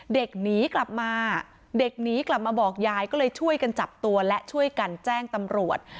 หนีกลับมาเด็กหนีกลับมาบอกยายก็เลยช่วยกันจับตัวและช่วยกันแจ้งตำรวจ